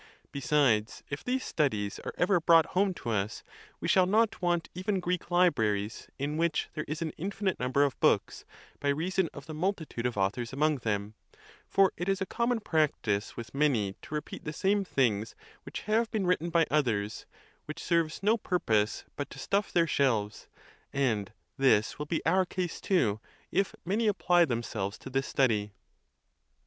Besides, if these studies are ever brought home to us, we shall not want even Greek libra ries, in which there is an infinite number of books, by reason of the multitude of authors among them; for it is a' common practice with many to repeat the same things which have been written by others, which serves no pur pose but to stuff their shelves; and this will be our case, too, if many apply themselves to this study.